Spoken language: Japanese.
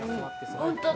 本当だ。